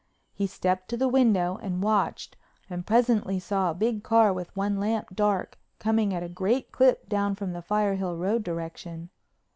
He stepped to the window and watched and presently saw a big car with one lamp dark coming at a great clip down from the Firehill Road direction.